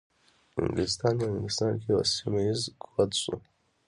انګلیسان په هندوستان کې یو سیمه ایز قوت شو.